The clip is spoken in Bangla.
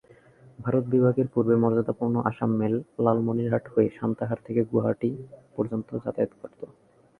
ভারত বিভাগের পূর্বে মর্যাদাপূর্ণ আসাম মেল লালমনিরহাট হয়ে সান্তাহার থেকে গুয়াহাটি পর্যন্ত যাতায়াত করত।